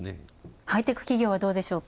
ハイテク株企業はどうでしょうか。